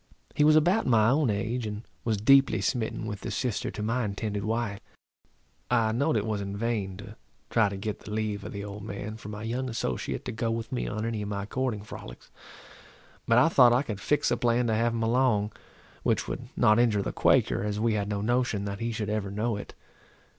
He was about my own age, and was deeply smitten with the sister to my intended wife. I know'd it was in vain to try to get the leave of the old man for my young associate to go with me on any of my courting frolics; but I thought I could fix a plan to have him along, which would not injure the Quaker, as we had no notion that he should ever know it.